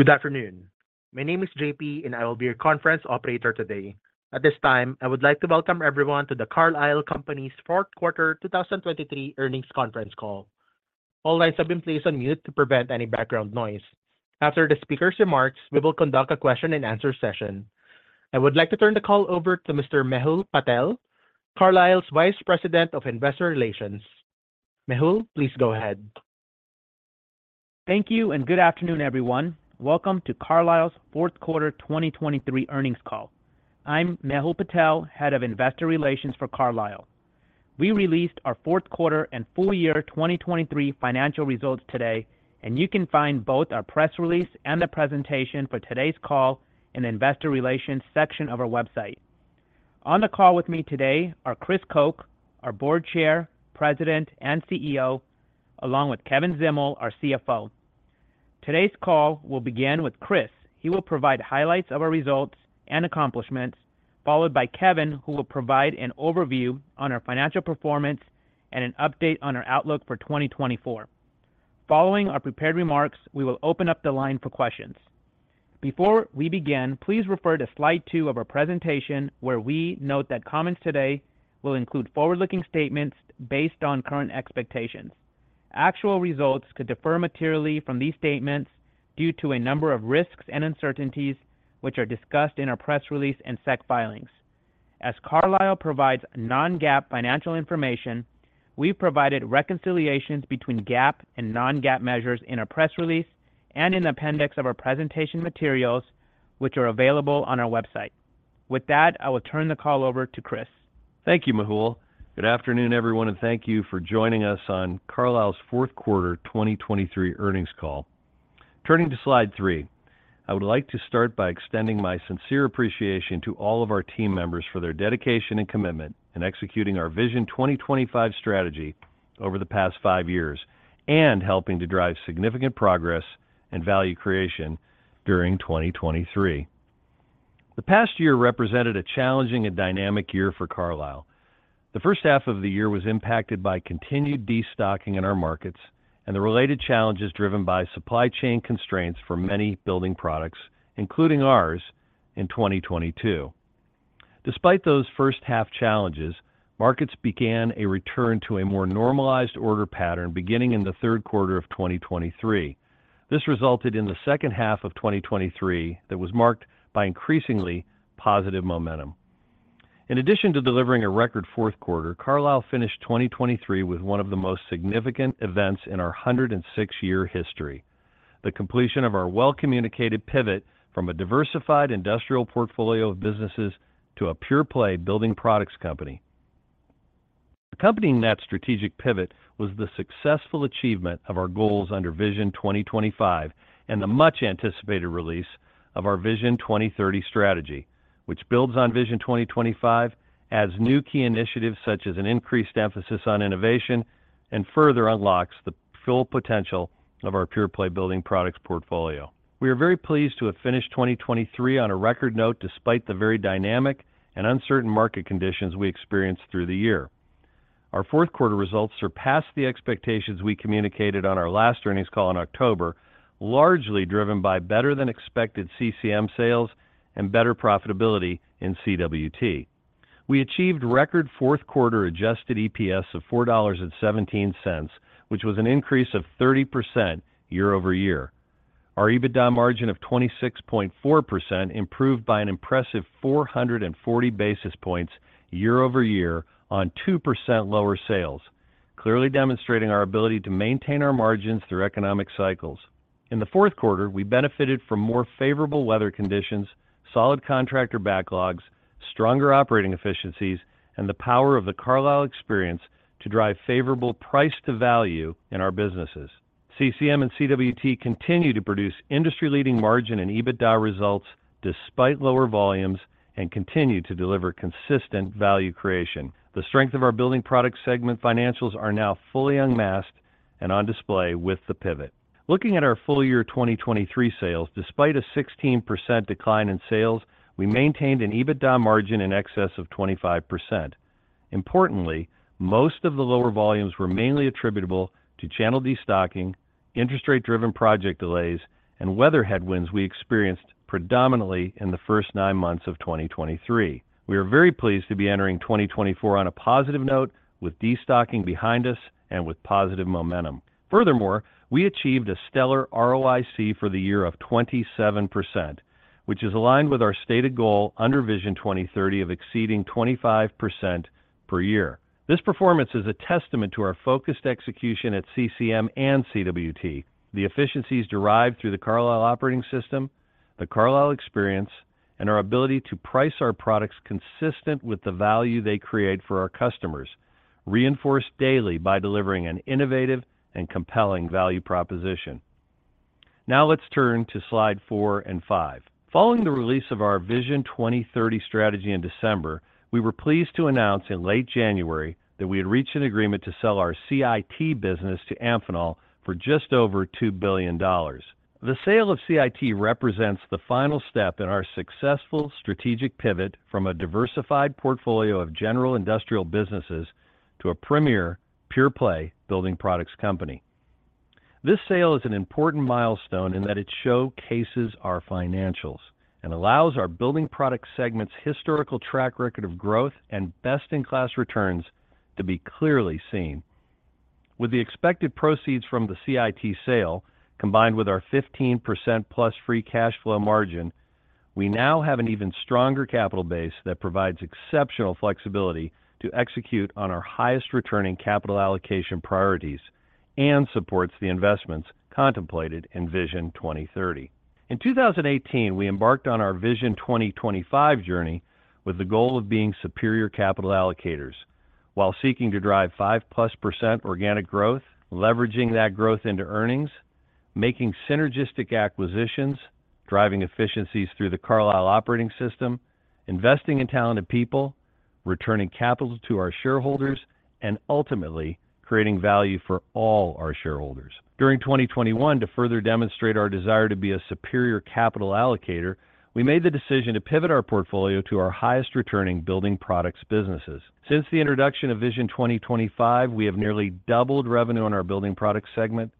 Good afternoon. My name is JP, and I will be your conference operator today. At this time, I would like to welcome everyone to the Carlisle Companies' fourth quarter 2023 earnings conference call. All lines have been placed on mute to prevent any background noise. After the speaker's remarks, we will conduct a question-and-answer session. I would like to turn the call over to Mr. Mehul Patel, Carlisle's Vice President of Investor Relations. Mehul, please go ahead. Thank you, and good afternoon, everyone. Welcome to Carlisle's fourth quarter 2023 earnings call. I'm Mehul Patel, Head of Investor Relations for Carlisle. We released our fourth quarter and full year 2023 financial results today, and you can find both our press release and the presentation for today's call in the Investor Relations section of our website. On the call with me today are Chris Koch, our Board Chair, President, and CEO, along with Kevin Zdimal, our CFO. Today's call will begin with Chris. He will provide highlights of our results and accomplishments, followed by Kevin, who will provide an overview on our financial performance and an update on our outlook for 2024. Following our prepared remarks, we will open up the line for questions. Before we begin, please refer to slide two of our presentation, where we note that comments today will include forward-looking statements based on current expectations. Actual results could differ materially from these statements due to a number of risks and uncertainties, which are discussed in our press release and SEC filings. As Carlisle provides non-GAAP financial information, we've provided reconciliations between GAAP and non-GAAP measures in our press release and in the appendix of our presentation materials, which are available on our website. With that, I will turn the call over to Chris. Thank you, Mehul. Good afternoon, everyone, and thank you for joining us on Carlisle's fourth quarter 2023 earnings call. Turning to slide three, I would like to start by extending my sincere appreciation to all of our team members for their dedication and commitment in executing our Vision 2025 strategy over the past five years and helping to drive significant progress and value creation during 2023. The past year represented a challenging and dynamic year for Carlisle. The first half of the year was impacted by continued destocking in our markets and the related challenges driven by supply chain constraints for many building products, including ours, in 2022. Despite those first-half challenges, markets began a return to a more normalized order pattern beginning in the third quarter of 2023. This resulted in the second half of 2023 that was marked by increasingly positive momentum. In addition to delivering a record fourth quarter, Carlisle finished 2023 with one of the most significant events in our 106-year history: the completion of our well-communicated pivot from a diversified industrial portfolio of businesses to a pure-play building products company. Accompanying that strategic pivot was the successful achievement of our goals under Vision 2025 and the much-anticipated release of our Vision 2030 strategy, which builds on Vision 2025, adds new key initiatives, such as an increased emphasis on innovation, and further unlocks the full potential of our pure-play building products portfolio. We are very pleased to have finished 2023 on a record note, despite the very dynamic and uncertain market conditions we experienced through the year. Our fourth quarter results surpassed the expectations we communicated on our last earnings call in October, largely driven by better-than-expected CCM sales and better profitability in CWT. We achieved record fourth quarter adjusted EPS of $4.17, which was an increase of 30% year-over-year. Our EBITDA margin of 26.4% improved by an impressive 440 basis points year-over-year on 2% lower sales, clearly demonstrating our ability to maintain our margins through economic cycles. In the fourth quarter, we benefited from more favorable weather conditions, solid contractor backlogs, stronger operating efficiencies, and the power of the Carlisle Experience to drive favorable price to value in our businesses. CCM and CWT continue to produce industry-leading margin and EBITDA results despite lower volumes and continue to deliver consistent value creation. The strength of our building product segment financials are now fully unmasked and on display with the pivot. Looking at our full year 2023 sales, despite a 16% decline in sales, we maintained an EBITDA margin in excess of 25%. Importantly, most of the lower volumes were mainly attributable to channel destocking, interest rate-driven project delays, and weather headwinds we experienced predominantly in the first nine months of 2023. We are very pleased to be entering 2024 on a positive note, with destocking behind us and with positive momentum. Furthermore, we achieved a stellar ROIC for the year of 27%, which is aligned with our stated goal under Vision 2030 of exceeding 25% per year. This performance is a testament to our focused execution at CCM and CWT, the efficiencies derived through the Carlisle Operating System, the Carlisle Experience, and our ability to price our products consistent with the value they create for our customers, reinforced daily by delivering an innovative and compelling value proposition. Now let's turn to slide four and five. Following the release of our Vision 2030 strategy in December, we were pleased to announce in late January that we had reached an agreement to sell our CIT business to Amphenol for just over $2 billion. The sale of CIT represents the final step in our successful strategic pivot from a diversified portfolio of general industrial businesses to a premier pure-play building products company. This sale is an important milestone in that it showcases our financials and allows our building product segment's historical track record of growth and best-in-class returns to be clearly seen. With the expected proceeds from the CIT sale, combined with our 15%+ free cash flow margin, we now have an even stronger capital base that provides exceptional flexibility to execute on our highest returning capital allocation priorities and supports the investments contemplated in Vision 2030. In 2018, we embarked on our Vision 2025 journey with the goal of being superior capital allocators while seeking to drive 5%+ organic growth, leveraging that growth into earnings, making synergistic acquisitions, driving efficiencies through the Carlisle Operating System, investing in talented people, returning capital to our shareholders, and ultimately, creating value for all our shareholders. During 2021, to further demonstrate our desire to be a superior capital allocator, we made the decision to pivot our portfolio to our highest returning building products businesses. Since the introduction of Vision 2025, we have nearly doubled revenue on our building product segment,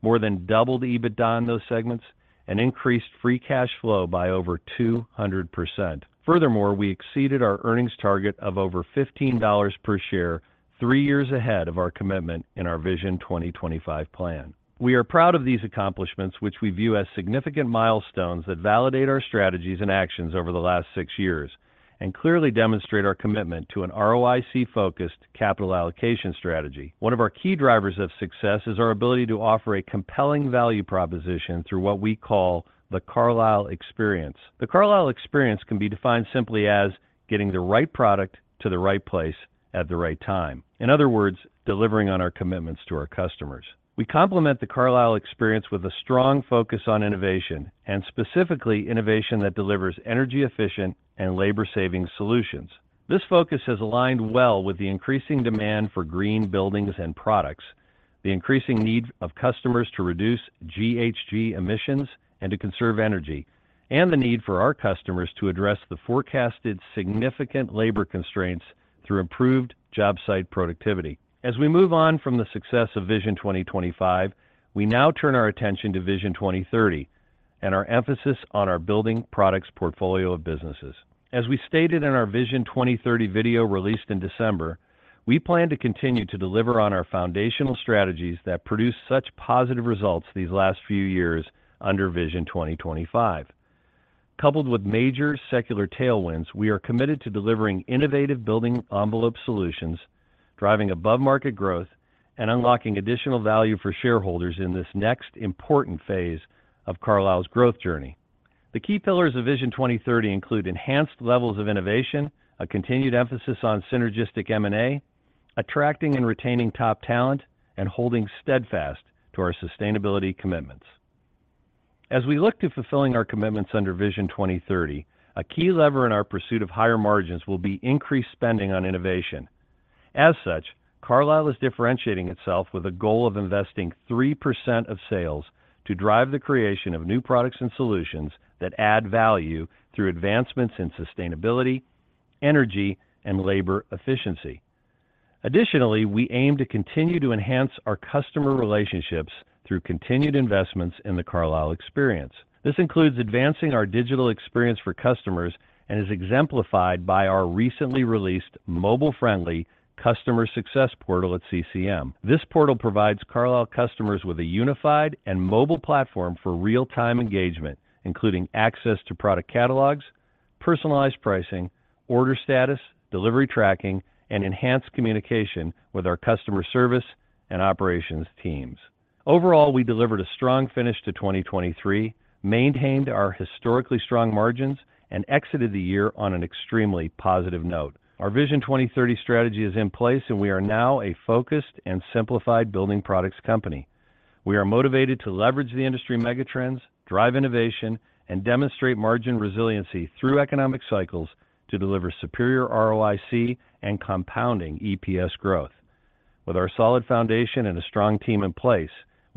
more than doubled EBITDA on those segments, and increased free cash flow by over 200%. Furthermore, we exceeded our earnings target of over $15 per share, three years ahead of our commitment in our Vision 2025 plan. We are proud of these accomplishments, which we view as significant milestones that validate our strategies and actions over the last six years and clearly demonstrate our commitment to an ROIC-focused capital allocation strategy. One of our key drivers of success is our ability to offer a compelling value proposition through what we call the Carlisle Experience. The Carlisle Experience can be defined simply as getting the right product to the right place at the right time. In other words, delivering on our commitments to our customers. We complement the Carlisle Experience with a strong focus on innovation, and specifically innovation that delivers energy-efficient and labor-saving solutions. This focus has aligned well with the increasing demand for green buildings and products, the increasing need of customers to reduce GHG emissions and to conserve energy, and the need for our customers to address the forecasted significant labor constraints through improved job site productivity. As we move on from the success of Vision 2025, we now turn our attention to Vision 2030 and our emphasis on our building products portfolio of businesses. As we stated in our Vision 2030 video released in December, we plan to continue to deliver on our foundational strategies that produce such positive results these last few years under Vision 2025. Coupled with major secular tailwinds, we are committed to delivering innovative building envelope solutions, driving above-market growth, and unlocking additional value for shareholders in this next important phase of Carlisle's growth journey. The key pillars of Vision 2030 include enhanced levels of innovation, a continued emphasis on synergistic M&A, attracting and retaining top talent, and holding steadfast to our sustainability commitments. As we look to fulfilling our commitments under Vision 2030, a key lever in our pursuit of higher margins will be increased spending on innovation. As such, Carlisle is differentiating itself with a goal of investing 3% of sales to drive the creation of new products and solutions that add value through advancements in sustainability, energy, and labor efficiency. Additionally, we aim to continue to enhance our customer relationships through continued investments in the Carlisle Experience. This includes advancing our digital experience for customers and is exemplified by our recently released mobile-friendly customer success portal at CCM. This portal provides Carlisle customers with a unified and mobile platform for real-time engagement, including access to product catalogs, personalized pricing, order status, delivery tracking, and enhanced communication with our customer service and operations teams. Overall, we delivered a strong finish to 2023, maintained our historically strong margins, and exited the year on an extremely positive note. Our Vision 2030 strategy is in place, and we are now a focused and simplified building products company. We are motivated to leverage the industry mega trends, drive innovation, and demonstrate margin resiliency through economic cycles to deliver superior ROIC and compounding EPS growth. With our solid foundation and a strong team in place,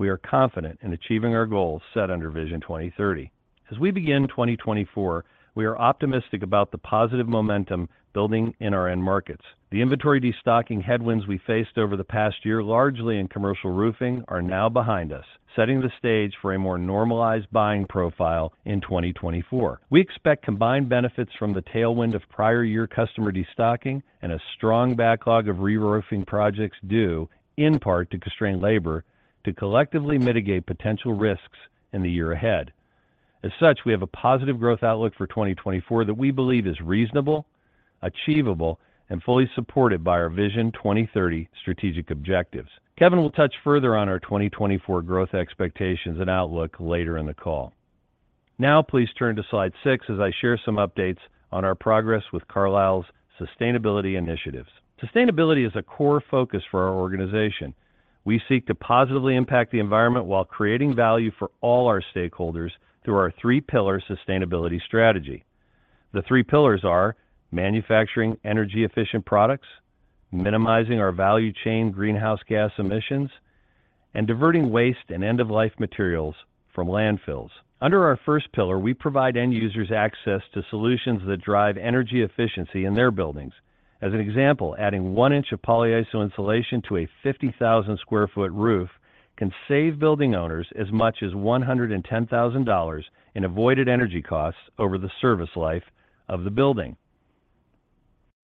we are confident in achieving our goals set under Vision 2030. As we begin 2024, we are optimistic about the positive momentum building in our end markets. The inventory destocking headwinds we faced over the past year, largely in commercial roofing, are now behind us, setting the stage for a more normalized buying profile in 2024. We expect combined benefits from the tailwind of prior year customer destocking and a strong backlog of reroofing projects due, in part, to constrained labor, to collectively mitigate potential risks in the year ahead. As such, we have a positive growth outlook for 2024 that we believe is reasonable, achievable, and fully supported by our Vision 2030 strategic objectives. Kevin will touch further on our 2024 growth expectations and outlook later in the call. Now, please turn to slide six as I share some updates on our progress with Carlisle's sustainability initiatives. Sustainability is a core focus for our organization. We seek to positively impact the environment while creating value for all our stakeholders through our three-pillar sustainability strategy. The three pillars are: manufacturing energy-efficient products, minimizing our value chain greenhouse gas emissions, and diverting waste and end-of-life materials from landfills. Under our first pillar, we provide end users access to solutions that drive energy efficiency in their buildings. As an example, adding 1 inch of polyiso insulation to a 50,000 sq ft roof can save building owners as much as $110,000 in avoided energy costs over the service life of the building.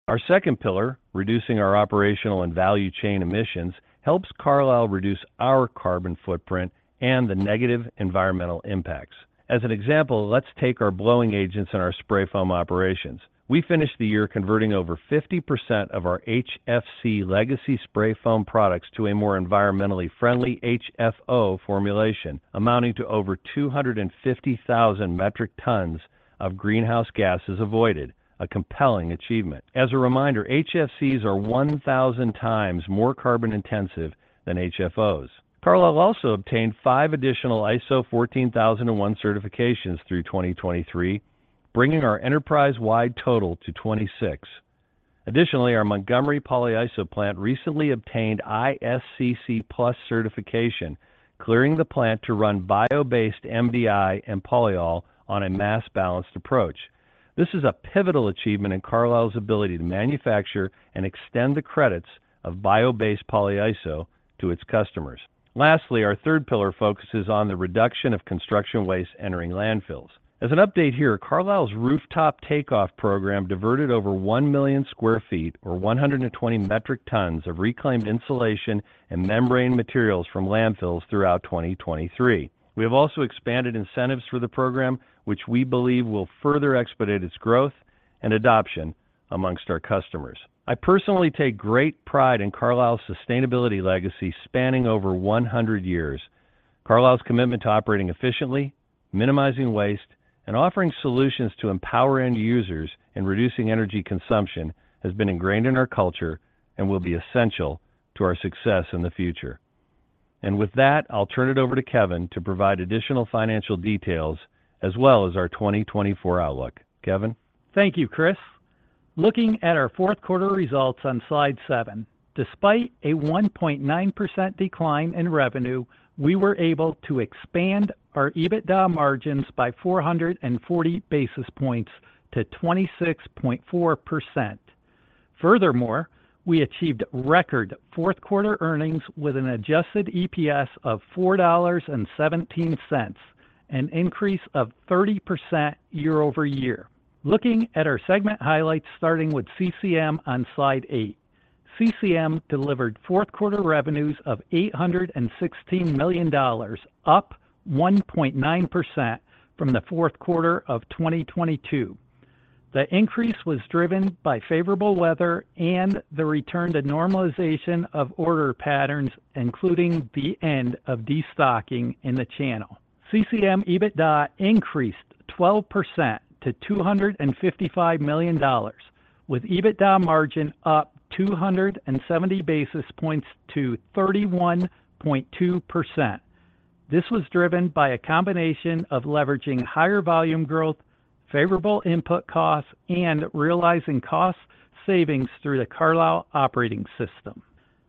Our second pillar, reducing our operational and value chain emissions, helps Carlisle reduce our carbon footprint and the negative environmental impacts. As an example, let's take our blowing agents and our spray foam operations. We finished the year converting over 50% of our HFC legacy spray foam products to a more environmentally friendly HFO formulation, amounting to over 250,000 metric tons of greenhouse gases avoided, a compelling achievement. As a reminder, HFCs are 1,000 times more carbon intensive than HFOs. Carlisle also obtained five additional ISO 14001 certifications through 2023, bringing our enterprise-wide total to 26. Additionally, our Montgomery polyiso plant recently obtained ISCC PLUS certification, clearing the plant to run bio-based MDI and polyol on a mass balanced approach. This is a pivotal achievement in Carlisle's ability to manufacture and extend the credits of bio-based polyiso to its customers. Lastly, our third pillar focuses on the reduction of construction waste entering landfills. As an update here, Carlisle's rooftop takeoff program diverted over 1 million sq ft, or 120 metric tons of reclaimed insulation and membrane materials from landfills throughout 2023. We have also expanded incentives for the program, which we believe will further expedite its growth and adoption among our customers. I personally take great pride in Carlisle's sustainability legacy, spanning over 100 years. Carlisle's commitment to operating efficiently, minimizing waste, and offering solutions to empower end users in reducing energy consumption has been ingrained in our culture and will be essential to our success in the future. With that, I'll turn it over to Kevin to provide additional financial details as well as our 2024 outlook. Kevin? Thank you, Chris. Looking at our fourth quarter results on slide seven, despite a 1.9% decline in revenue, we were able to expand our EBITDA margins by 440 basis points to 26.4%. Furthermore, we achieved record fourth quarter earnings with an adjusted EPS of $4.17, an increase of 30% year-over-year. Looking at our segment highlights, starting with CCM on slide eight. CCM delivered fourth quarter revenues of $816 million, up 1.9% from the fourth quarter of 2022. The increase was driven by favorable weather and the return to normalization of order patterns, including the end of destocking in the channel. CCM EBITDA increased 12% to $255 million, with EBITDA margin up 270 basis points to 31.2%. This was driven by a combination of leveraging higher volume growth, favorable input costs, and realizing cost savings through the Carlisle Operating System.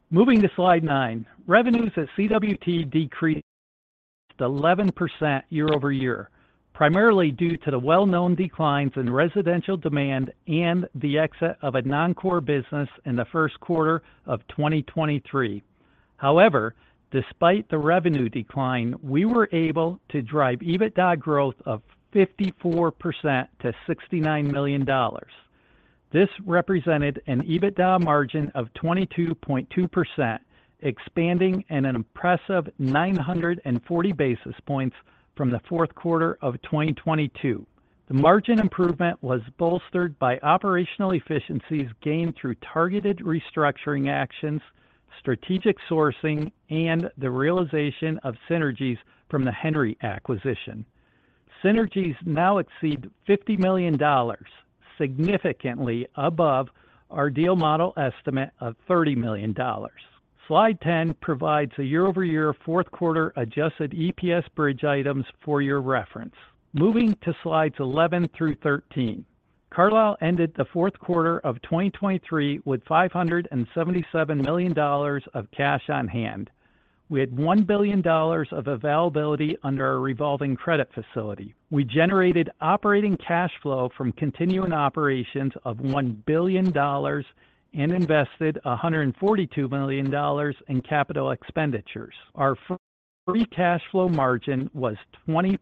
Moving to Slide nine, revenues at CWT decreased 11% year-over-year, primarily due to the well-known declines in residential demand and the exit of a non-core business in the first quarter of 2023. However, despite the revenue decline, we were able to drive EBITDA growth of 54% to $69 million. This represented an EBITDA margin of 22.2%, expanding at an impressive 940 basis points from the fourth quarter of 2022. The margin improvement was bolstered by operational efficiencies gained through targeted restructuring actions, strategic sourcing, and the realization of synergies from the Henry acquisition. Synergies now exceed $50 million, significantly above our deal model estimate of $30 million. Slide 10 provides a year-over-year fourth quarter adjusted EPS bridge items for your reference. Moving to Slides 11 through 13, Carlisle ended the fourth quarter of 2023 with $577 million of cash on hand. We had $1 billion of availability under our revolving credit facility. We generated operating cash flow from continuing operations of $1 billion and invested $142 million in capital expenditures. Our free cash flow margin was 20%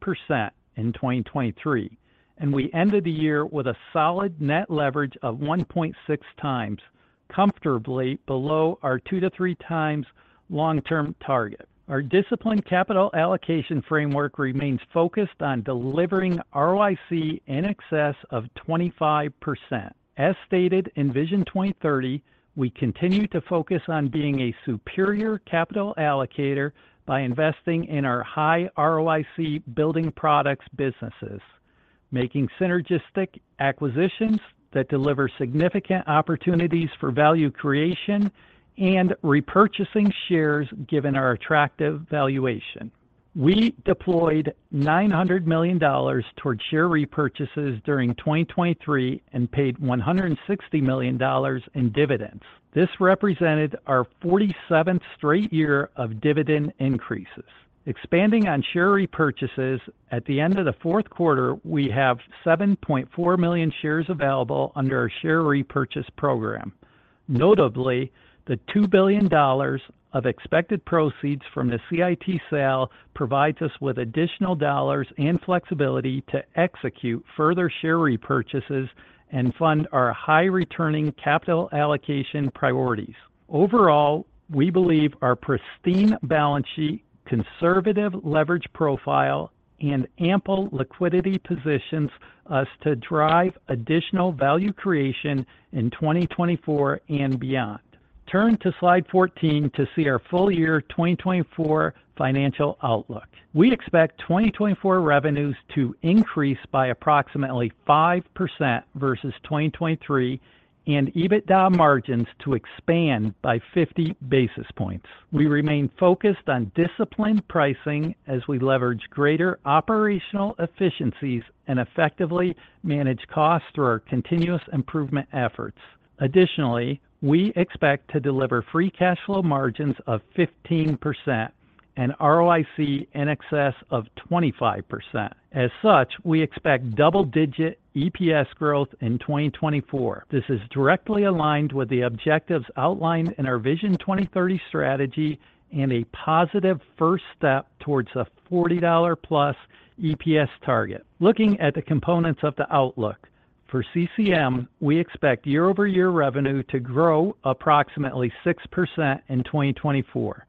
in 2023, and we ended the year with a solid net leverage of 1.6 times, comfortably below our 2-3 times long-term target. Our disciplined capital allocation framework remains focused on delivering ROIC in excess of 25%. As stated in Vision 2030, we continue to focus on being a superior capital allocator by investing in our high ROIC building products businesses, making synergistic acquisitions that deliver significant opportunities for value creation and repurchasing shares, given our attractive valuation... We deployed $900 million towards share repurchases during 2023 and paid $160 million in dividends. This represented our 47th straight year of dividend increases. Expanding on share repurchases, at the end of the fourth quarter, we have 7.4 million shares available under our share repurchase program. Notably, the $2 billion of expected proceeds from the CIT sale provides us with additional dollars and flexibility to execute further share repurchases and fund our high-returning capital allocation priorities. Overall, we believe our pristine balance sheet, conservative leverage profile, and ample liquidity positions us to drive additional value creation in 2024 and beyond. Turn to slide 14 to see our full year 2024 financial outlook. We expect 2024 revenues to increase by approximately 5% versus 2023, and EBITDA margins to expand by 50 basis points. We remain focused on disciplined pricing as we leverage greater operational efficiencies and effectively manage costs through our continuous improvement efforts. Additionally, we expect to deliver free cash flow margins of 15% and ROIC in excess of 25%. As such, we expect double-digit EPS growth in 2024. This is directly aligned with the objectives outlined in our Vision 2030 strategy and a positive first step towards a $40+ EPS target. Looking at the components of the outlook, for CCM, we expect year-over-year revenue to grow approximately 6% in 2024.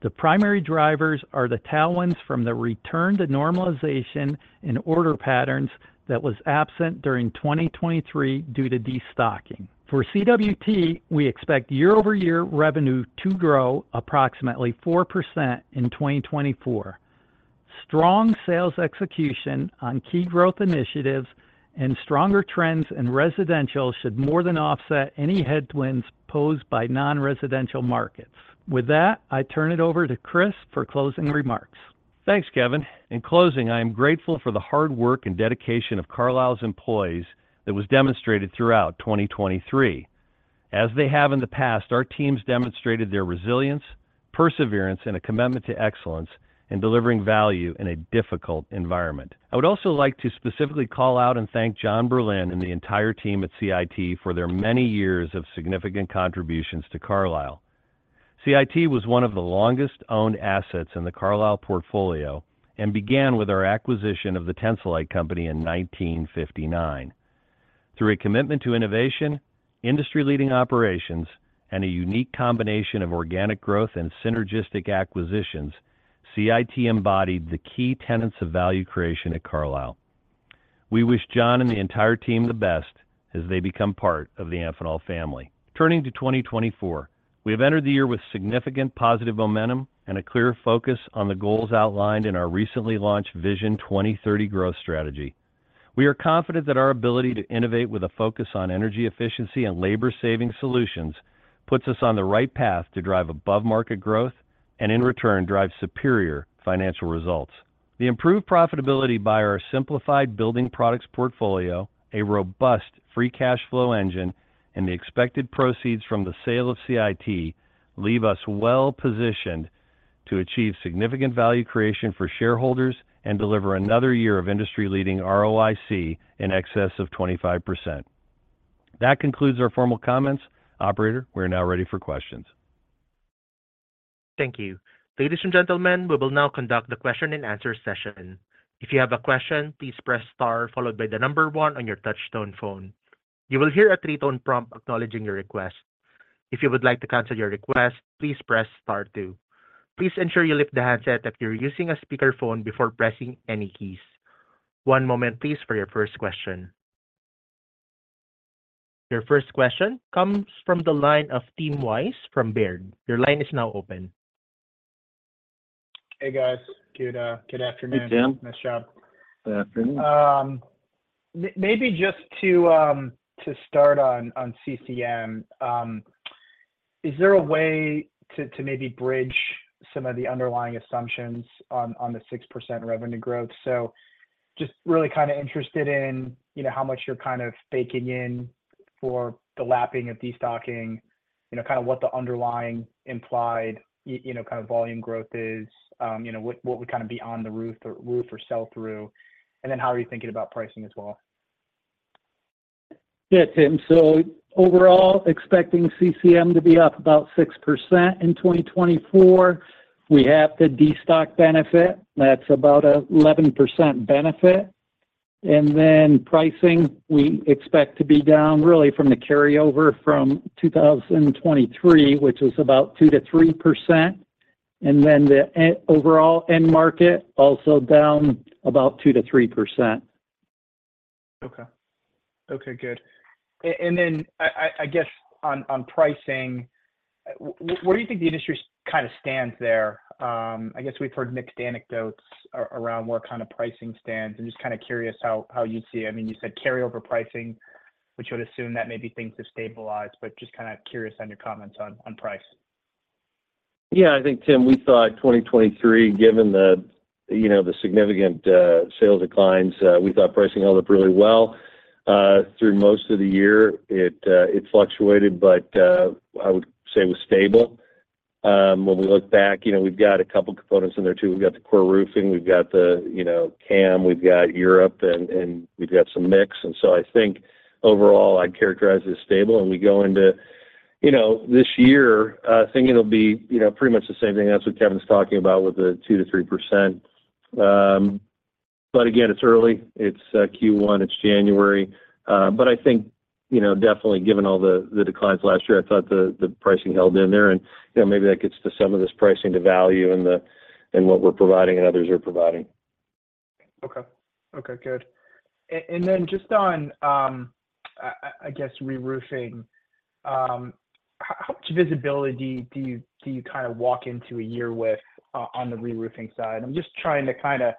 The primary drivers are the tailwinds from the return to normalization in order patterns that was absent during 2023 due to destocking. For CWT, we expect year-over-year revenue to grow approximately 4% in 2024. Strong sales execution on key growth initiatives and stronger trends in residential should more than offset any headwinds posed by non-residential markets. With that, I turn it over to Chris for closing remarks. Thanks, Kevin. In closing, I am grateful for the hard work and dedication of Carlisle's employees that was demonstrated throughout 2023. As they have in the past, our teams demonstrated their resilience, perseverance, and a commitment to excellence in delivering value in a difficult environment. I would also like to specifically call out and thank John Berlin and the entire team at CIT for their many years of significant contributions to Carlisle. CIT was one of the longest-owned assets in the Carlisle portfolio and began with our acquisition of the Tensolite company in 1959. Through a commitment to innovation, industry-leading operations, and a unique combination of organic growth and synergistic acquisitions, CIT embodied the key tenets of value creation at Carlisle. We wish John and the entire team the best as they become part of the Amphenol family. Turning to 2024, we have entered the year with significant positive momentum and a clear focus on the goals outlined in our recently launched Vision 2030 growth strategy. We are confident that our ability to innovate with a focus on energy efficiency and labor-saving solutions puts us on the right path to drive above-market growth and, in return, drive superior financial results. The improved profitability by our simplified building products portfolio, a robust free cash flow engine, and the expected proceeds from the sale of CIT, leave us well positioned to achieve significant value creation for shareholders and deliver another year of industry-leading ROIC in excess of 25%. That concludes our formal comments. Operator, we are now ready for questions. Thank you. Ladies and gentlemen, we will now conduct the question and answer session. If you have a question, please press Star, followed by the number one on your touchtone phone. You will hear a three-tone prompt acknowledging your request. If you would like to cancel your request, please press Star two. Please ensure you lift the handset if you're using a speakerphone before pressing any keys. One moment please, for your first question. Your first question comes from the line of Tim Weiss from Baird. Your line is now open. Hey, guys. Good afternoon. Hey, Tim. Nice job. Good afternoon. Maybe just to start on CCM. Is there a way to maybe bridge some of the underlying assumptions on the 6% revenue growth? So just really kind of interested in, you know, how much you're kind of baking in for the lapping of destocking, you know, kind of what the underlying implied you know, kind of volume growth is. You know, what would kind of be on the roof or roof or sell-through, and then how are you thinking about pricing as well? Yeah, Tim. So overall, expecting CCM to be up about 6% in 2024, we have the destock benefit, that's about 11% benefit. And then pricing, we expect to be down really from the carryover from 2023, which is about 2%-3%, and then the overall end market, also down about 2%-3%. Okay. Okay, good. And then I guess on pricing, where do you think the industry kind of stands there? I guess we've heard mixed anecdotes around where kind of pricing stands. I'm just kind of curious how you'd see it. I mean, you said carryover pricing, which would assume that maybe things have stabilized, but just kind of curious on your comments on price. Yeah, I think, Tim, we thought 2023, given the, you know, the significant sales declines, we thought pricing held up really well. Through most of the year, it, it fluctuated, but, I would say it was stable. When we look back, you know, we've got a couple components in there too. We've got the core roofing, we've got the, you know, CAM, we've got Europe, and, and we've got some mix. And so I think overall, I'd characterize it as stable. And we go into, you know, this year, thinking it'll be, you know, pretty much the same thing. That's what Kevin's talking about with the 2%-3%. But again, it's early, it's, Q1, it's January. But I think, you know, definitely given all the, the declines last year, I thought the, the pricing held in there. You know, maybe that gets to some of this pricing to value and in what we're providing and others are providing. Okay. Okay, good. And then just on, I guess, reroofing, how much visibility do you kind of walk into a year with, on the reroofing side? I'm just trying to kind of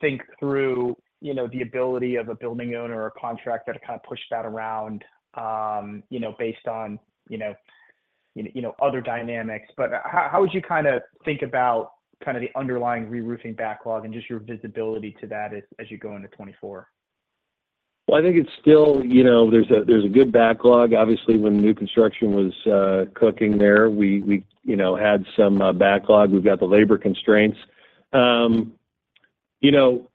think through, you know, the ability of a building owner or a contractor to kind of push that around, you know, based on, you know, other dynamics. But how would you kind of think about kind of the underlying reroofing backlog and just your visibility to that as you go into 2024? Well, I think it's still, you know, there's a good backlog. Obviously, when new construction was cooking there, we you know had some backlog. We've got the labor constraints. You know,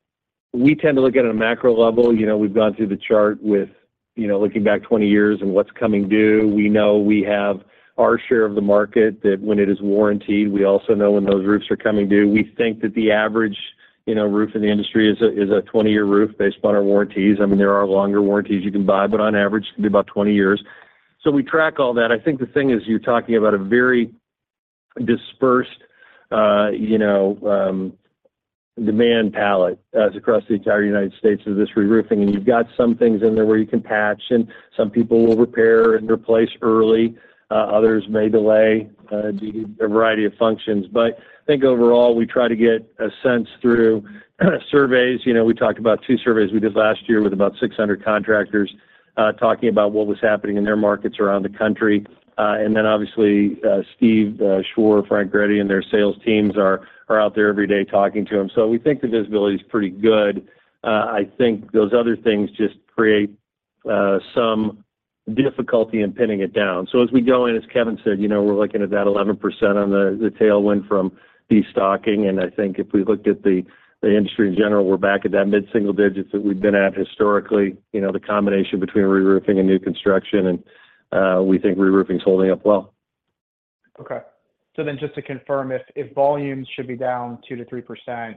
we tend to look at it on a macro level. You know, we've gone through the chart with, you know, looking back 20 years and what's coming due. We know we have our share of the market, that when it is warrantied, we also know when those roofs are coming due. We think that the average, you know, roof in the industry is a 20-year roof based on our warranties. I mean, there are longer warranties you can buy, but on average, it's gonna be about 20 years. So we track all that. I think the thing is, you're talking about a very dispersed, you know, demand palette as across the entire United States of this reroofing. And you've got some things in there where you can patch, and some people will repair and replace early, others may delay, the, a variety of functions. But I think overall, we try to get a sense through surveys. You know, we talked about two surveys we did last year with about 600 contractors, talking about what was happening in their markets around the country. And then obviously, Steve Schwar, Frank Ready, and their sales teams are out there every day talking to them. So we think the visibility is pretty good. I think those other things just create some difficulty in pinning it down. So as we go in, as Kevin said, you know, we're looking at that 11% on the tailwind from destocking. And I think if we looked at the industry in general, we're back at that mid-single digits that we've been at historically. You know, the combination between reroofing and new construction, and we think reroofing is holding up well. Okay. So then just to confirm, if volumes should be down 2%-3%,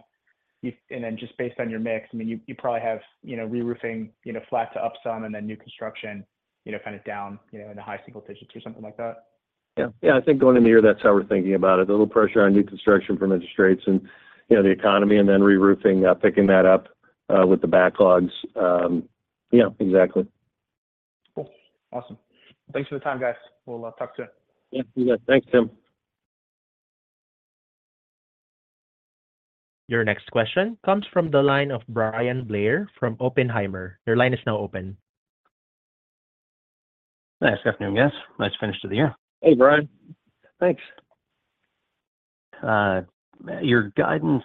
you—and then just based on your mix, I mean, you probably have, you know, reroofing, you know, flat to up some, and then new construction, you know, kind of down, you know, in the high single digits or something like that? Yeah. Yeah, I think going into the year, that's how we're thinking about it. A little pressure on new construction from interest rates and, you know, the economy, and then reroofing picking that up with the backlogs. Yeah, exactly. Cool. Awesome. Thanks for the time, guys. We'll talk soon. Yeah, you bet. Thanks, Tim. Your next question comes from the line of Bryan Blair from Oppenheimer. Your line is now open. Nice afternoon, guys. Nice finish to the year. Hey, Brian. Thanks. Your guidance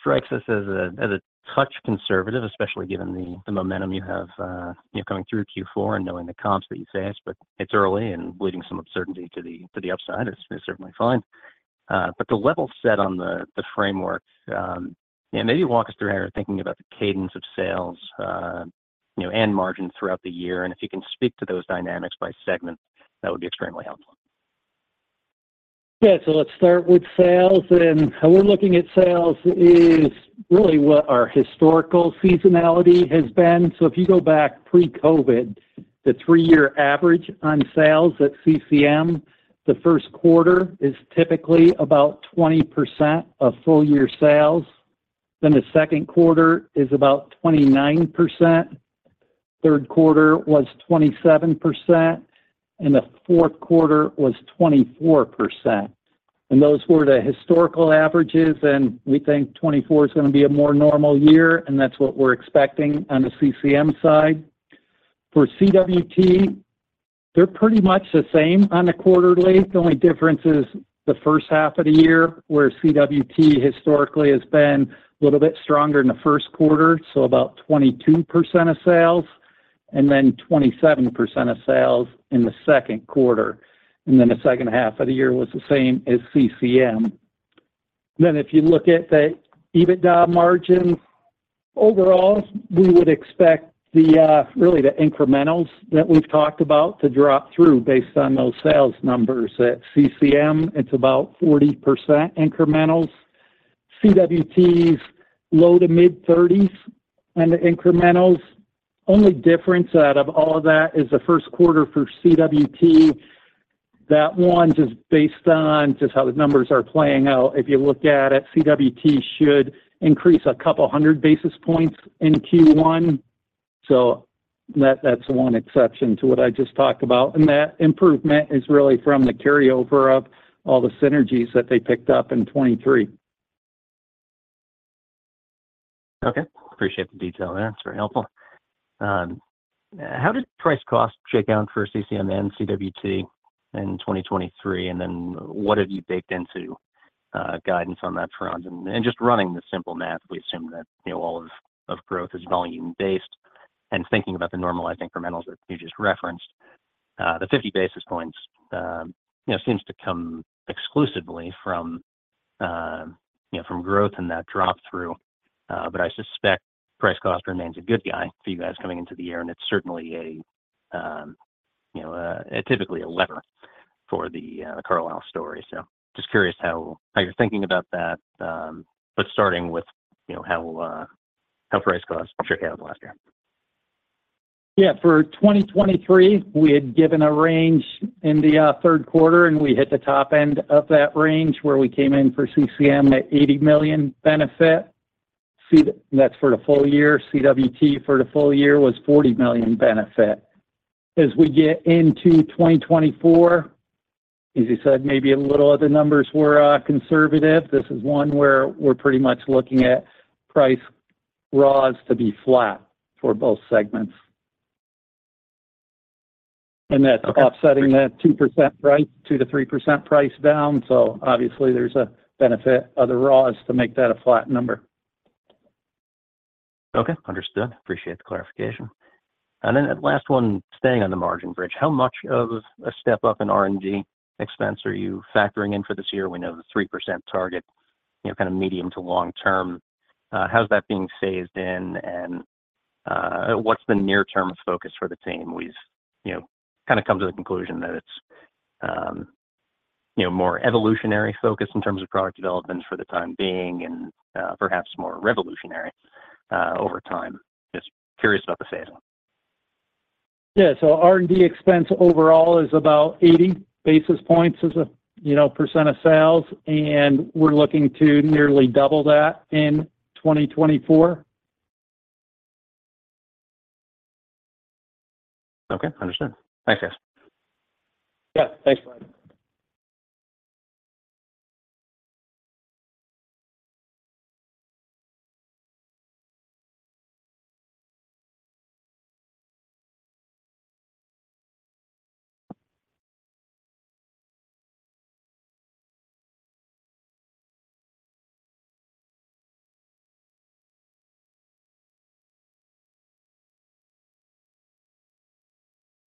strikes us as a touch conservative, especially given the momentum you have, you know, coming through Q4 and knowing the comps that you face, but it's early and leaving some uncertainty to the upside is certainly fine. But the level set on the framework, yeah, maybe walk us through how you're thinking about the cadence of sales, you know, and margins throughout the year. And if you can speak to those dynamics by segment, that would be extremely helpful. Yeah, so let's start with sales, and how we're looking at sales is really what our historical seasonality has been. So if you go back pre-COVID, the 3-year average on sales at CCM, the first quarter is typically about 20% of full year sales, then the second quarter is about 29%, third quarter was 27%, and the fourth quarter was 24%. And those were the historical averages, and we think 2024 is gonna be a more normal year, and that's what we're expecting on the CCM side. For CWT, they're pretty much the same on a quarterly. The only difference is the first half of the year, where CWT historically has been a little bit stronger in the first quarter, so about 22% of sales, and then 27% of sales in the second quarter. Then the second half of the year was the same as CCM. Then, if you look at the EBITDA margins, overall, we would expect the, really the incrementals that we've talked about to drop through based on those sales numbers. At CCM, it's about 40% incrementals. CWT's, low-to-mid 30s on the incrementals. Only difference out of all of that is the first quarter for CWT. That one, just based on just how the numbers are playing out, if you look at it, CWT should increase a couple hundred basis points in Q1. So that, that's one exception to what I just talked about, and that improvement is really from the carryover of all the synergies that they picked up in 2023. Okay, appreciate the detail there. It's very helpful. How did price cost shake out for CCM and CWT in 2023? And then what have you baked into guidance on that front? And just running the simple math, we assume that, you know, all of growth is volume-based. And thinking about the normalized incrementals that you just referenced, the 50 basis points, you know, seems to come exclusively from, you know, from growth and that drop through. But I suspect price cost remains a good guy for you guys coming into the year, and it's certainly a you know, typically a lever for the Carlisle story. So just curious how you're thinking about that, but starting with, you know, how price costs shook out last year. Yeah. For 2023, we had given a range in the third quarter, and we hit the top end of that range, where we came in for CCM at $80 million benefit. That's for the full year. CWT for the full year was $40 million benefit. As we get into 2024, as you said, maybe a little of the numbers were conservative. This is one where we're pretty much looking at price raws to be flat for both segments. And that's offsetting that 2% price, 2%-3% price down. So obviously, there's a benefit of the raws to make that a flat number. Okay, understood. Appreciate the clarification. And then last one, staying on the margin bridge, how much of a step up in R&D expense are you factoring in for this year? We know the 3% target, you know, kind of medium to long term. How's that being phased in, and what's the near-term focus for the team? We've, you know, kind of come to the conclusion that it's, you know, more evolutionary focused in terms of product development for the time being and perhaps more revolutionary over time. Just curious about the phase-in. Yeah, so R&D expense overall is about 80 basis points as a, you know, % of sales, and we're looking to nearly double that in 2024. Okay, understood. Thanks, guys. Yeah, thanks, Brian.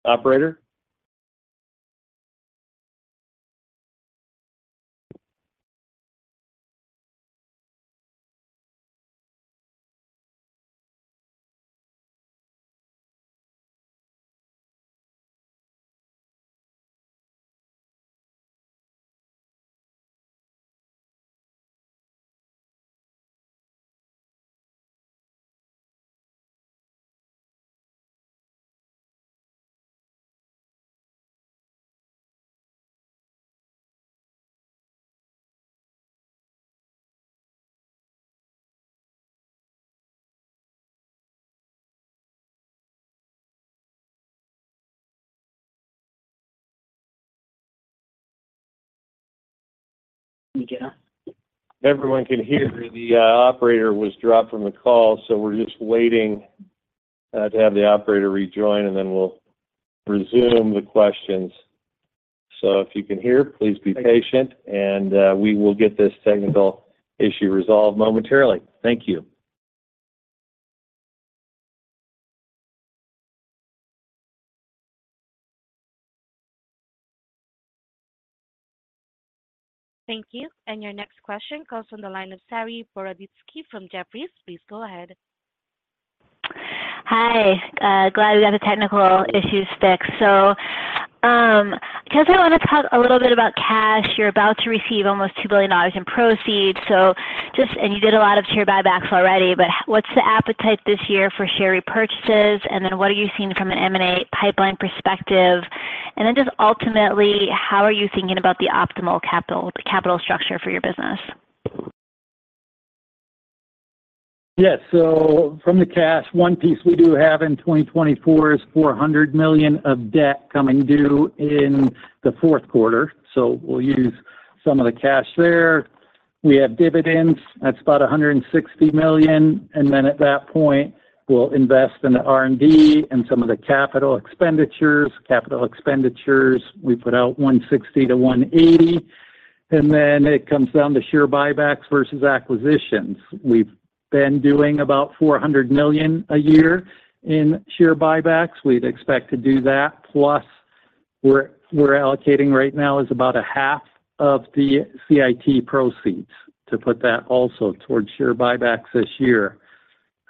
Operator? Can you hear us? Everyone can hear. The operator was dropped from the call, so we're just waiting to have the operator rejoin, and then we'll resume the questions. So if you can hear, please be patient, and we will get this technical issue resolved momentarily. Thank you. Thank you. And your next question comes from the line of Saree Boroditsky from Jefferies. Please go ahead. Hi. Glad we got the technical issues fixed. So, I guess I want to talk a little bit about cash. You're about to receive almost $2 billion in proceeds, so, and you did a lot of share buybacks already, but what's the appetite this year for share repurchases? And then what are you seeing from an M&A pipeline perspective? And then just ultimately, how are you thinking about the optimal capital, capital structure for your business? Yes. So from the cash, one piece we do have in 2024 is $400 million of debt coming due in the fourth quarter, so we'll use some of the cash there. We have dividends, that's about $160 million, and then at that point, we'll invest in the R&D and some of the capital expenditures. Capital expenditures, we put out $160-$180, and then it comes down to share buybacks versus acquisitions. We've been doing about $400 million a year in share buybacks. We'd expect to do that. Plus, we're, we're allocating right now is about half of the CIT proceeds to put that also towards share buybacks this year.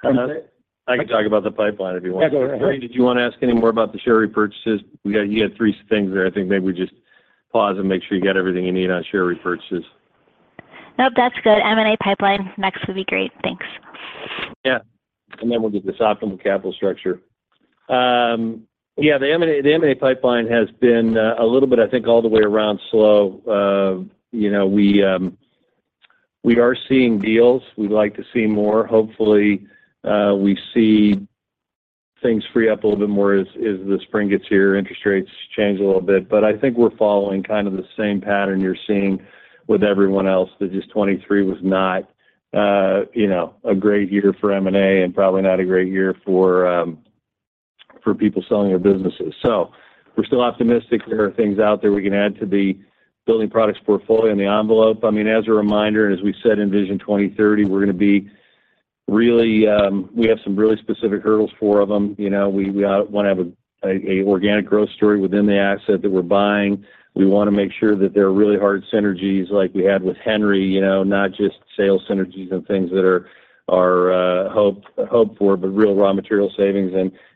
I can talk about the pipeline if you want. Yeah, go ahead. Sari, did you want to ask any more about the share repurchases? We got. You had three things there. I think maybe we just pause and make sure you get everything you need on share repurchases. Nope, that's good. M&A pipeline next would be great. Thanks. Yeah. And then we'll get this optimal capital structure. Yeah, the M&A, the M&A pipeline has been a little bit, I think, all the way around slow. You know, we are seeing deals. We'd like to see more. Hopefully, we see things free up a little bit more as the spring gets here, interest rates change a little bit. But I think we're following kind of the same pattern you're seeing with everyone else, that just 2023 was not, you know, a great year for M&A and probably not a great year for people selling their businesses. So we're still optimistic there are things out there we can add to the building products portfolio in the envelope. I mean, as a reminder, and as we said in Vision 2030, we're gonna be really, we have some really specific hurdles, four of them. You know, we wanna have a organic growth story within the asset that we're buying. We wanna make sure that there are really hard synergies like we had with Henry, you know, not just sales synergies and things that are hoped for, but real raw material savings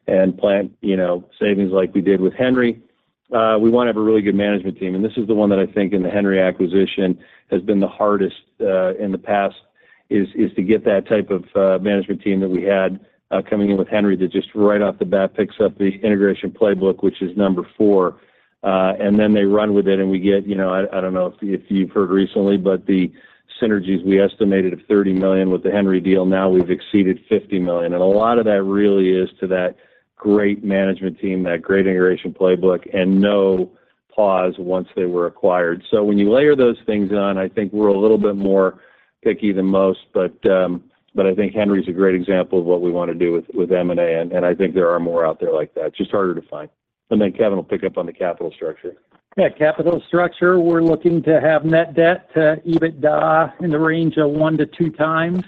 and plant, you know, savings like we did with Henry. We wanna have a really good management team, and this is the one that I think in the Henry acquisition has been the hardest in the past, to get that type of management team that we had coming in with Henry, that just right off the bat, picks up the integration playbook, which is number four. And then they run with it, and we get, you know, I don't know if you've heard recently, but the synergies we estimated of $30 million with the Henry deal, now we've exceeded $50 million. And a lot of that really is to that great management team, that great integration playbook, and no pause once they were acquired. So when you layer those things in, I think we're a little bit more picky than most, but I think Henry's a great example of what we want to do with M&A, and I think there are more out there like that, just harder to find. And then Kevin will pick up on the capital structure. Yeah, capital structure, we're looking to have net debt to EBITDA in the range of 1-2 times,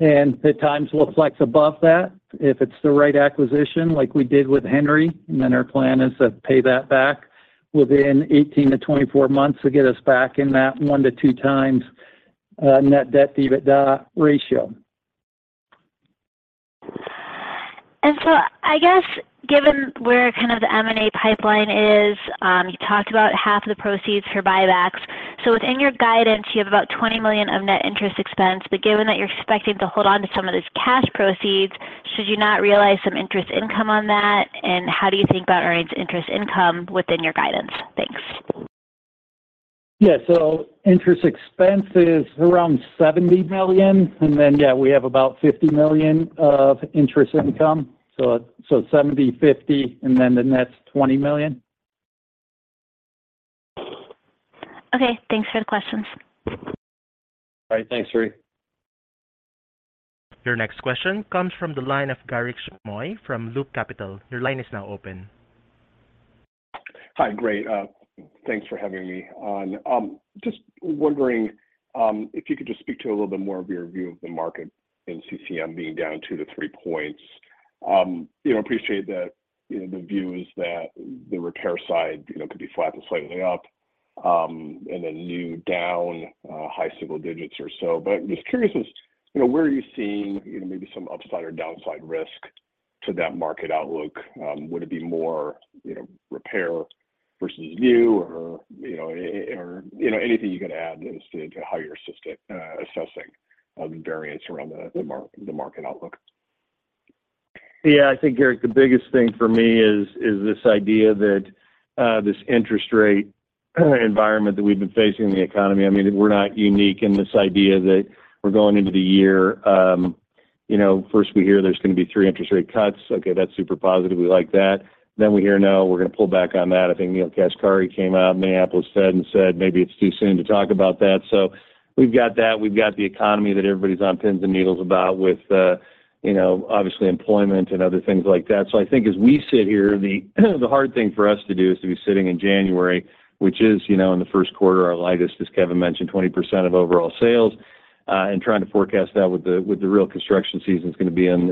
and at times we'll flex above that if it's the right acquisition, like we did with Henry. Then our plan is to pay that back within 18-24 months to get us back in that 1-2 times net debt to EBITDA ratio. So I guess given where kind of the M&A pipeline is, you talked about half of the proceeds for buybacks. So within your guidance, you have about $20 million of net interest expense, but given that you're expecting to hold on to some of this cash proceeds, should you not realize some interest income on that? And how do you think about earnings interest income within your guidance? Thanks. Yeah. So interest expense is around $70 million, and then, yeah, we have about $50 million of interest income. So, so 70, 50, and then the net's $20 million. Okay. Thanks for the questions. All right, thanks, Saree. Your next question comes from the line of Garik Shmois from Loop Capital. Your line is now open. Hi, great, thanks for having me on. Just wondering, if you could just speak to a little bit more of your view of the market in CCM being down 2-3 points. You know, appreciate that, you know, the view is that the repair side, you know, could be flat to slightly up, and then new down, high single digits or so. But just curious as, you know, where are you seeing, you know, maybe some upside or downside risk to that market outlook? Would it be more, you know, repair versus new or, you know, or, you know, anything you can add as to how you're assessing, the variance around the, the market outlook? Yeah, I think, Garik, the biggest thing for me is, is this idea that, this interest rate, environment that we've been facing in the economy, I mean, we're not unique in this idea that we're going into the year, you know, first we hear there's gonna be three interest rate cuts. Okay, that's super positive. We like that. Then we hear, "No, we're gonna pull back on that." I think Neel Kashkari came out in Minneapolis said, and said, "Maybe it's too soon to talk about that." So we've got that. We've got the economy that everybody's on pins and needles about with, you know, obviously employment and other things like that. So I think as we sit here, the hard thing for us to do is to be sitting in January, which is, you know, in the first quarter, our lightest, as Kevin mentioned, 20% of overall sales, and trying to forecast that with the real construction season is gonna be in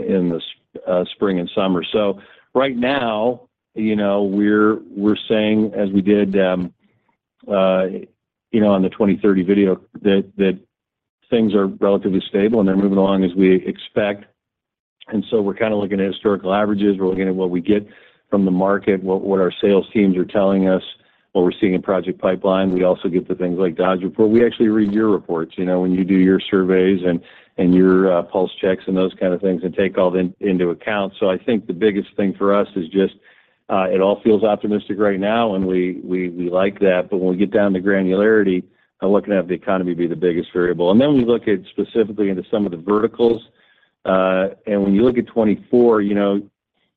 the spring and summer. So right now, you know, we're, we're saying, as we did, on the Vision 2030 video, that things are relatively stable and they're moving along as we expect. And so we're kind of looking at historical averages. We're looking at what we get from the market, what our sales teams are telling us, what we're seeing in project pipeline. We also get to things like Dodge Report. We actually read your reports, you know, when you do your surveys and your pulse checks and those kind of things, and take all into account. So I think the biggest thing for us is just it all feels optimistic right now, and we like that. But when we get down to granularity, looking at the economy be the biggest variable. And then we look at specifically into some of the verticals, and when you look at 2024, you know,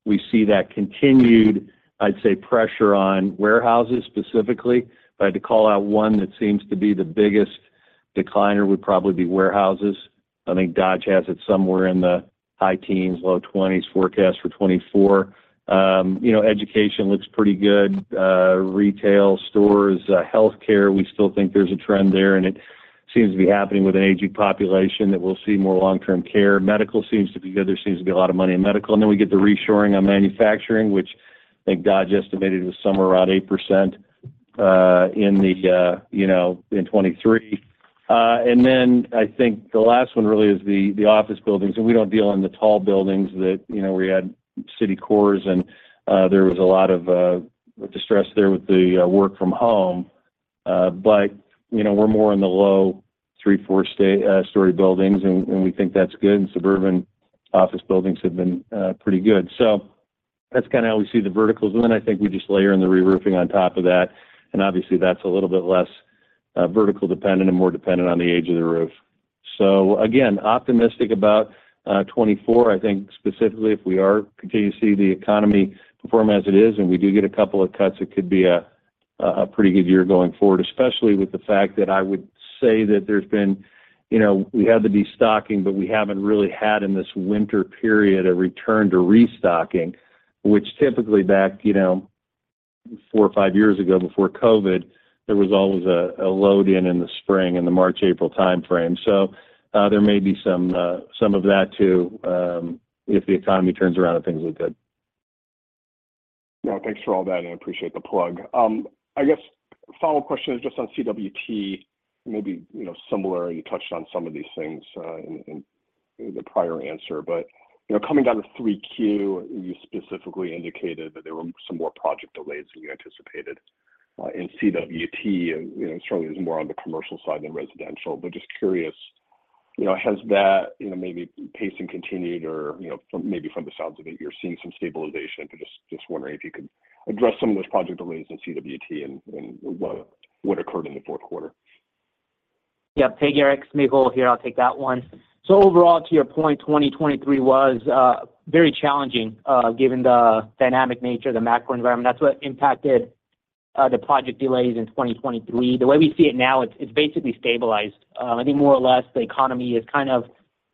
we see that continued, I'd say, pressure on warehouses specifically. If I had to call out one that seems to be the biggest decliner would probably be warehouses. I think Dodge has it somewhere in the high teens, low twenties forecast for 2024. You know, education looks pretty good, retail stores, healthcare, we still think there's a trend there, and it seems to be happening with an aging population that we'll see more long-term care. Medical seems to be good. There seems to be a lot of money in medical. And then we get the reshoring on manufacturing, which I think Dodge estimated was somewhere around 8%, you know, in 2023. And then I think the last one really is the office buildings, and we don't deal in the tall buildings that, you know, we had city cores and there was a lot of distress there with the work from home. But, you know, we're more in the low 3-4 story buildings, and, and we think that's good, and suburban office buildings have been pretty good. So that's kind of how we see the verticals. And then I think we just layer in the reroofing on top of that, and obviously, that's a little bit less vertical dependent and more dependent on the age of the roof. So again, optimistic about 2024. I think specifically, if we are continuing to see the economy perform as it is, and we do get a couple of cuts, it could be a pretty good year going forward, especially with the fact that I would say that there's been, you know, we had the destocking, but we haven't really had in this winter period, a return to restocking, which typically back, you know, four or five years ago, before COVID, there was always a load in the spring, in the March-April timeframe. So, there may be some of that, too, if the economy turns around and things look good. Yeah. Thanks for all that, and I appreciate the plug. I guess follow-up question is just on CWT, maybe, you know, similar, you touched on some of these things in the prior answer. But, you know, coming down to Q3, you specifically indicated that there were some more project delays than you anticipated in CWT, and, you know, certainly it's more on the commercial side than residential. But just curious, you know, has that, you know, maybe pacing continued or, you know, maybe from the sounds of it, you're seeing some stabilization? But just wondering if you could address some of those project delays in CWT and what occurred in the fourth quarter. Yep. Hey, Garik, Mehul here, I'll take that one. So overall, to your point, 2023 was very challenging given the dynamic nature of the macro environment. That's what impacted the project delays in 2023. The way we see it now, it's basically stabilized. I think more or less, the economy is kind of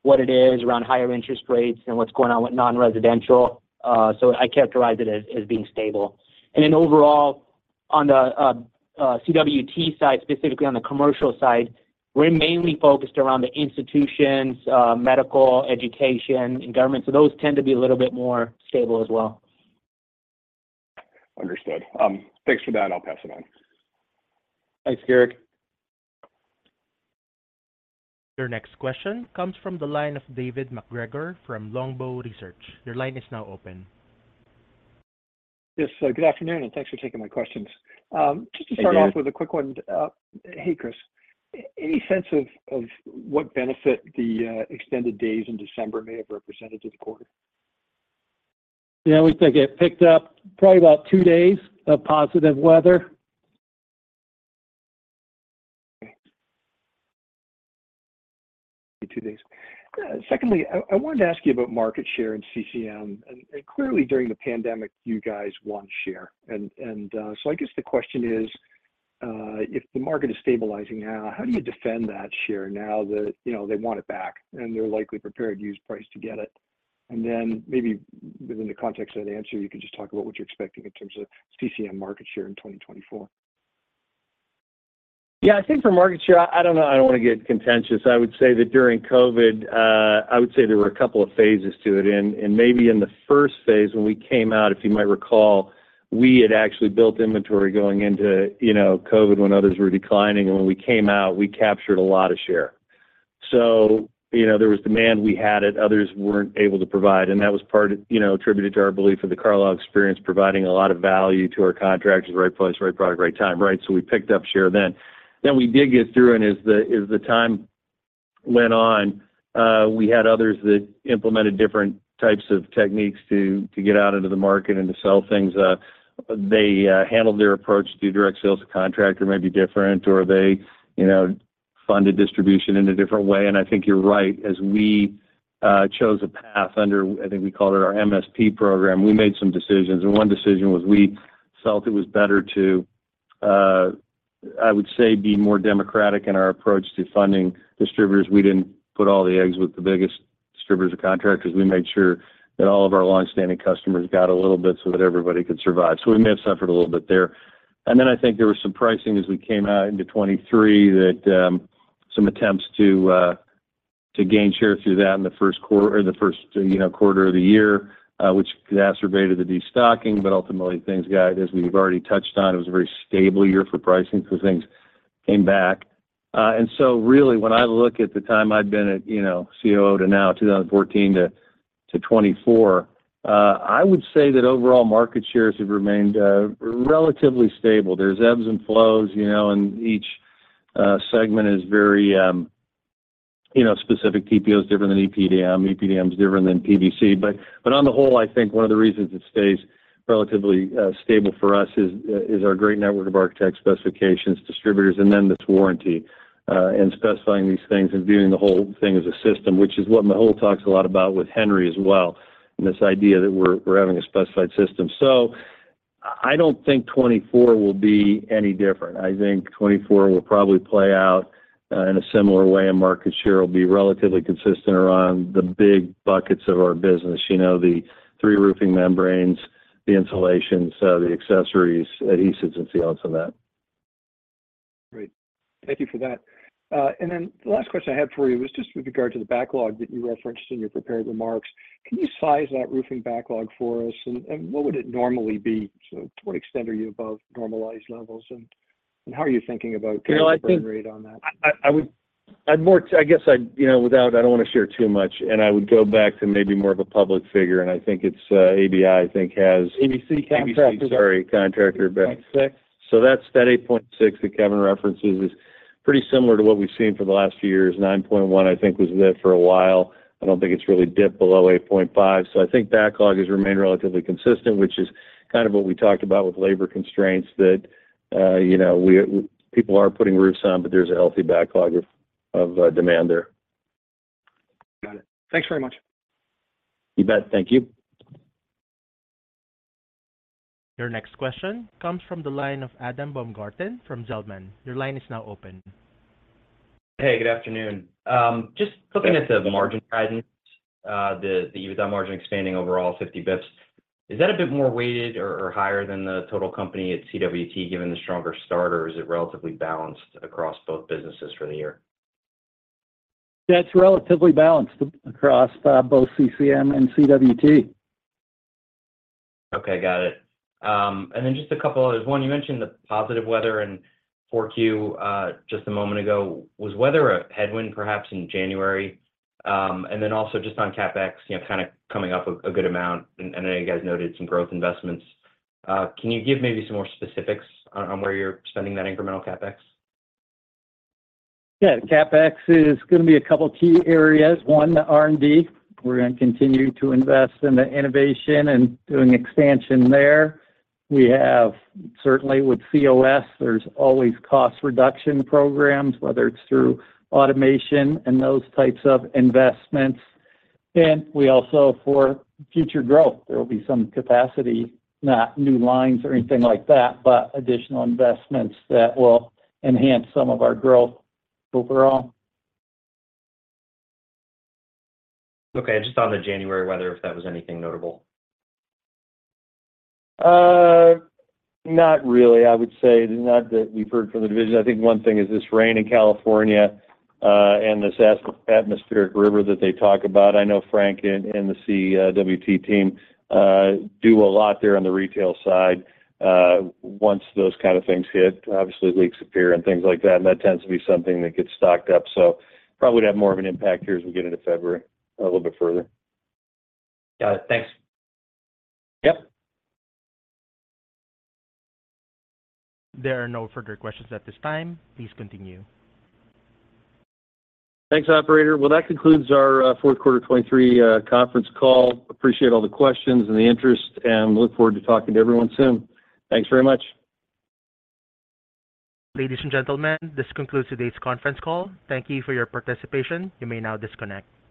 what it is around higher interest rates and what's going on with non-residential. So I characterize it as being stable. And then overall, on the CWT side, specifically on the commercial side, we're mainly focused around the institutions, medical, education, and government, so those tend to be a little bit more stable as well. Understood. Thanks for that. I'll pass it on. Thanks, Garik. Your next question comes from the line of David MacGregor from Longbow Research. Your line is now open. Yes, good afternoon, and thanks for taking my questions. Just to start off- Hey, Dave. With a quick one. Hey, Chris. Any sense of what benefit the extended days in December may have represented to the quarter? Yeah, we think it picked up probably about two days of positive weather. Okay. Two days. Secondly, I wanted to ask you about market share and CCM, and so I guess the question is, if the market is stabilizing now, how do you defend that share now that, you know, they want it back, and they're likely prepared to use price to get it? And then maybe within the context of the answer, you can just talk about what you're expecting in terms of CCM market share in 2024. Yeah, I think for market share, I don't know, I don't wanna get contentious. I would say that during COVID, I would say there were a couple of phases to it. And maybe in the first phase, when we came out, if you might recall, we had actually built inventory going into, you know, COVID when others were declining, and when we came out, we captured a lot of share. So, you know, there was demand, we had it, others weren't able to provide. And that was part, you know, attributed to our belief in the Carlisle Experience, providing a lot of value to our contractors, right place, right product, right time, right? So we picked up share then. Then we did get through, and as the, as the time went on, we had others that implemented different types of techniques to, to get out into the market and to sell things. They handled their approach to direct sales to contractors may be different, or they, you know, funded distribution in a different way. And I think you're right. As we chose a path under, I think we called it our MSP Program, we made some decisions, and one decision was we felt it was better to, I would say, be more democratic in our approach to funding distributors. We didn't put all the eggs with the biggest distributors or contractors. We made sure that all of our longstanding customers got a little bit so that everybody could survive. So we may have suffered a little bit there. And then I think there was some pricing as we came out into 2023, that some attempts to gain share through that in the first quarter, or the first, you know, quarter of the year, which exacerbated the destocking, but ultimately, things got, as we've already touched on, it was a very stable year for pricing so things came back. And so really, when I look at the time I've been at, you know, COO to now, 2014 to 2024, I would say that overall market shares have remained relatively stable. There's ebbs and flows, you know, and each segment is very, you know, specific. TPO is different than EPDM. EPDM is different than PVC. But on the whole, I think one of the reasons it stays relatively stable for us is our great network of architect specifications, distributors, and then this warranty, and specifying these things and viewing the whole thing as a system, which is what Mehul talks a lot about with Henry as well, and this idea that we're having a specified system. So I don't think 2024 will be any different. I think 2024 will probably play out in a similar way, and market share will be relatively consistent around the big buckets of our business. You know, the three roofing membranes, the insulation, so the accessories, adhesives, and so on, so that. Great. Thank you for that. And then the last question I had for you was just with regard to the backlog that you referenced in your prepared remarks. Can you size that roofing backlog for us, and what would it normally be? So to what extent are you above normalized levels, and how are you thinking about the delivery rate on that? You know, I think I would—I'd more—I guess I'd, you know, without... I don't want to share too much, and I would go back to maybe more of a public figure, and I think it's ABI, I think, has- ABC contractor. ABC, sorry, contractor. Point six. So that's that 8.6 that Kevin references is pretty similar to what we've seen for the last few years. Nine point one, I think, was there for a while. I don't think it's really dipped below eight point five. So I think backlog has remained relatively consistent, which is kind of what we talked about with labor constraints, that you know we people are putting roofs on, but there's a healthy backlog of demand there. Got it. Thanks very much. You bet. Thank you. Your next question comes from the line of Adam Baumgarten from Zelman. Your line is now open. Hey, good afternoon. Just looking at the margin guidance, the EBITDA margin expanding overall 50 basis points, is that a bit more weighted or higher than the total company at CWT, given the stronger starter? Or is it relatively balanced across both businesses for the year? That's relatively balanced across both CCM and CWT. Okay, got it. And then just a couple others. One, you mentioned the positive weather in Q4 just a moment ago. Was weather a headwind, perhaps in January? And then also just on CapEx, you know, kind of coming up a good amount, and I know you guys noted some growth investments. Can you give maybe some more specifics on where you're spending that incremental CapEx? Yeah. CapEx is gonna be a couple key areas. One, R&D. We're gonna continue to invest in the innovation and doing expansion there. We have certainly with COS; there's always cost reduction programs, whether it's through automation and those types of investments. We also, for future growth, there will be some capacity, not new lines or anything like that, but additional investments that will enhance some of our growth overall. Okay. Just on the January weather, if that was anything notable? Not really. I would say not that we've heard from the division. I think one thing is this rain in California, and this atmospheric river that they talk about. I know Frank and the CWT team do a lot there on the retail side. Once those kind of things hit, obviously leaks appear and things like that, and that tends to be something that gets stocked up. So probably have more of an impact here as we get into February a little bit further. Got it. Thanks. Yep. There are no further questions at this time. Please continue. Thanks, operator. Well, that concludes our fourth quarter 2023 conference call. Appreciate all the questions and the interest, and look forward to talking to everyone soon. Thanks very much. Ladies and gentlemen, this concludes today's conference call. Thank you for your participation. You may now disconnect.